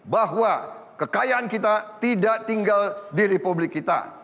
bahwa kekayaan kita tidak tinggal di republik kita